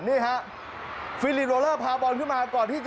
นี่ฮะ